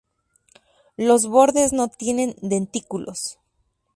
Los bordes no tienen dentículos.